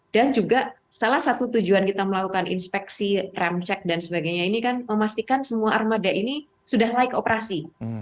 dan juga salah satu tujuan kita melakukan inspeksi ram cek dan sebagainya ini kan memastikan semua armada ini sudah naik operasi